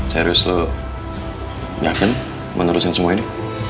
serius lo yakin menerusin semua ini